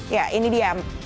ya ini dia